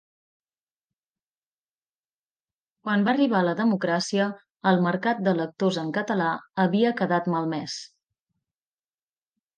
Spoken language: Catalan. Quan va arribar la democràcia, el mercat de lectors en català havia quedat malmès.